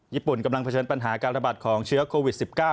กำลังเผชิญปัญหาการระบาดของเชื้อโควิด๑๙